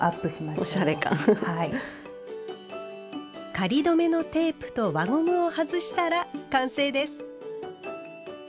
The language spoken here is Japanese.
仮留めのテープと輪ゴムを外したら完成です。